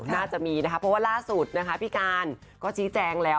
น่าจะมีนะคะเพราะว่าล่าสุดนะคะพี่การก็ชี้แจงแล้ว